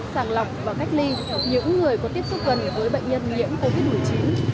sàng lọc và cách ly những người có tiếp xúc gần với bệnh nhân nhiễm covid một mươi chín